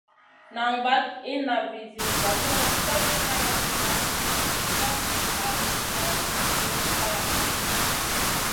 Nan vaɗ inna vi zida vanu, koɗoʼ hayaʼa, hot nan kal man bur haya.